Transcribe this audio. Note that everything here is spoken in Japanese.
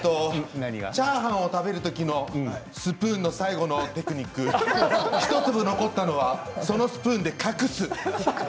チャーハンを食べる時のスプーンの最後のテクニック１粒残ったのはそのスプーンで隠す。